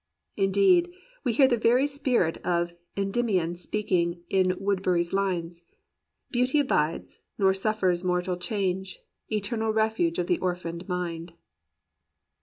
Indeed, we hear the very spirit of Endymion speak ing in Woodberry's lines: "Beauty abides, nor suffers mortal change. Eternal refuge of the orphaned mind.'